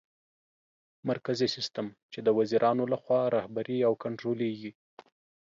مرکزي سیستم : چي د وزیرانو لخوا رهبري او کنټرولېږي